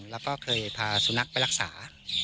แล้วก็เคยพาสุนัขไปรักษา